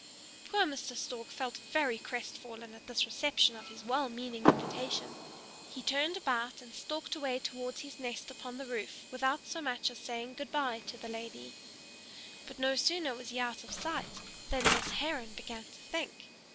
Poor Mr. Stork felt very crestfallen at this reception of his well meaning invitation. He turned about and stalked away towards his nest upon the roof, without so much as saying good by to the lady. But no sooner was he out of sight than Miss Heron began to think.